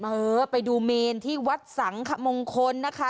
เออไปดูเมนที่วัดสังขมงคลนะคะ